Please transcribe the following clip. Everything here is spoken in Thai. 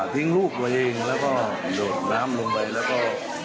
ทิ้งลูกตัวเองแล้วก็โดดน้ำลงไปแล้วก็